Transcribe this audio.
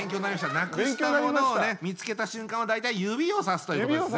なくしたものを見つけたしゅんかんは大体指をさすということですね。